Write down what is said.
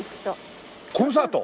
コンサート？